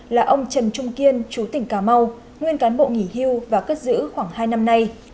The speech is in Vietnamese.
là ông trần trung kiên chú tỉnh cà mau nguyên cán bộ nghỉ hưu và cất giữ khoảng hai năm nay